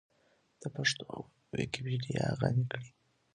د پښتو ويکيپېډيا غني کړئ.